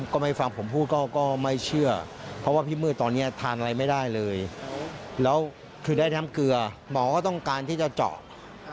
ก็ไม่ฟังผมพูดก็ไม่เชื่อเพราะว่าพี่มืดตอนนี้ทานอะไรไม่ได้เลยแล้วคือได้น้ำเกลือหมอก็ต้องการที่จะเจาะ